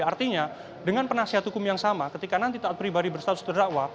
jadi artinya dengan penasihat hukum yang sama ketika nanti taat pribadi bersatu terdakwa